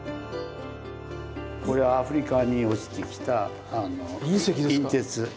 これはアフリカに落ちてきた隕鉄。